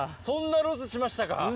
そんなロスしましたか。